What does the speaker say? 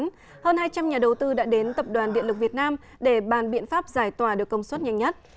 hơn hai trăm linh nhà đầu tư đã đến tập đoàn điện lực việt nam để bàn biện pháp giải tỏa được công suất nhanh nhất